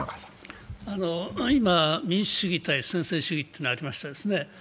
今、民主主義対専制主義というのがありましたね。